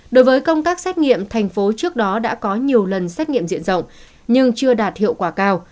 đối với công tác xét nghiệm thành phố trước đó đã có nhiều lần xét nghiệm diện rộng nhưng chưa đạt hiệu quả cao